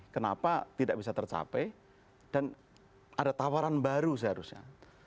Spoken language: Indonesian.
kenapa tidak bisa tercapai dan ada tawaran baru seharusnya